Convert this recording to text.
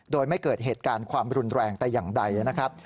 โดยไม่เกิดเหตุการณ์ความรุนแรงแต่อย่างใดนะครับ